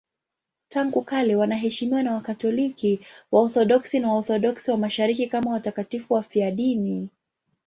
Tangu kale wanaheshimiwa na Wakatoliki, Waorthodoksi na Waorthodoksi wa Mashariki kama watakatifu wafiadini.